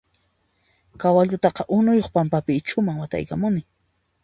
Kawallutaqa unuyuq pampapi ichhuman wataykamunki.